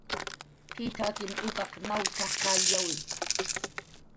"P""iy t""akin upaq nawn t""aj qallyawi"